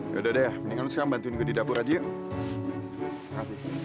yaudah deh ya mendingan sekarang bantuin gue di dapur aja yuk